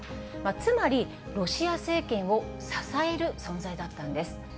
つまり、ロシア政権を支える存在だったんです。